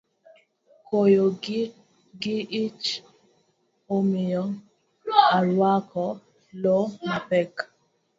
Koyo ng’ich omiyo arwako law mapek